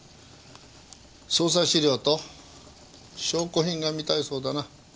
捜査資料と証拠品が見たいそうだな。